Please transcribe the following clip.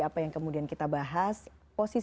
apa yang kemudian kita bahas